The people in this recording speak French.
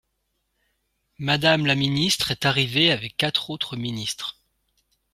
Madame la ministre est arrivée avec quatre autres ministres.